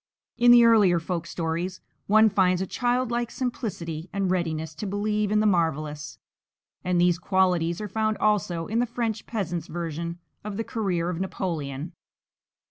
In the earlier folk stories one finds a childlike simplicity and readiness to believe in the marvellous; and these qualities are found also in the French peasant's version of the career of Napoleon.